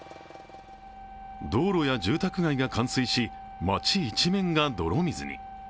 道路や住宅街が冠水し街一面が泥水に。